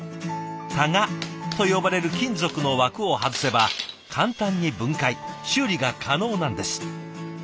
「たが」と呼ばれる金属の枠を外せば簡単に分解修理が可能なんです。